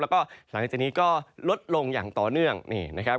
แล้วก็หลังจากนี้ก็ลดลงอย่างต่อเนื่องนี่นะครับ